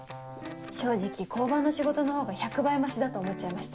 正直交番の仕事のほうが１００倍マシだと思っちゃいました。